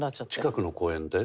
近くの公園で？